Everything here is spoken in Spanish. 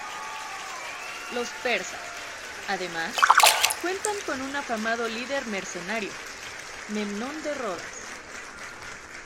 Los persas, además, cuentan con un afamado líder mercenario: Memnón de Rodas.